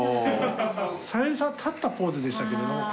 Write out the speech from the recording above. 小百合さんは立ったポーズでしたけども。